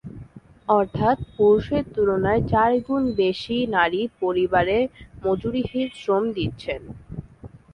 অর্থাৎ পুরুষের তুলনায় চার গুণ বেশি নারী পরিবারে মজুরিহীন শ্রম দিচ্ছেন।